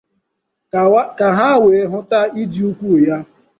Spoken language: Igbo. ka ha wee hụta ịdị ukwu ya